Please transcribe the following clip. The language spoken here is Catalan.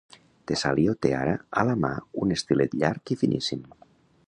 Tesalio té ara a la mà un estilet llarg i finíssim.